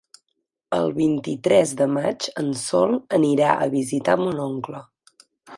El vint-i-tres de maig en Sol anirà a visitar mon oncle.